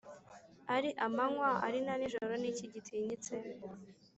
ari amanywa ari na nijoro niki gitinyitse